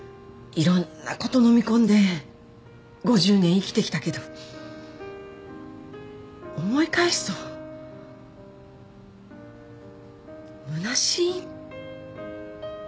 いろんなことのみ込んで５０年生きてきたけど思い返すとむなしい。